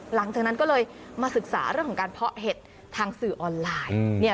หลังจากนั้นก็เลยมาศึกษาเรื่องของการเพาะเห็ดทางสื่อออนไลน์